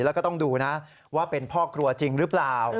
แล้วก็ต้องดูนะว่าเป็นพ่อครัวจริงหรือเปล่า